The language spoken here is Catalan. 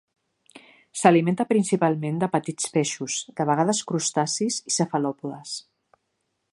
S'alimenta principalment de petits peixos, de vegades crustacis i cefalòpodes.